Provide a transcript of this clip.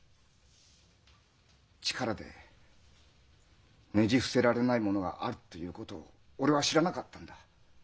力でねじ伏せられないものがあるっていうことを俺は知らなかったんだ。